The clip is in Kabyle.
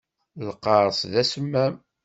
Lqaṛes d asemmam.